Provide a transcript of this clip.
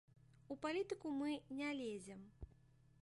У палітыку мы не лезем.